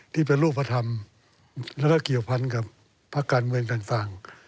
ที่เป็นรูปธรรมแล้วก็เกี่ยวพันกับภาคการเมืองต่าง